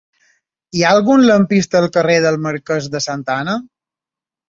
Hi ha algun lampista al carrer del Marquès de Santa Ana?